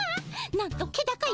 なんと気高い